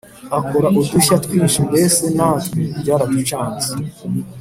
akora udushya twinshi mbese natwe byaraducanze